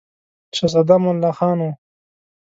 شهزاده امان الله خان وو.